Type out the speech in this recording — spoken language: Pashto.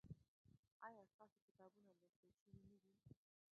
ایا ستاسو کتابونه لوستل شوي نه دي؟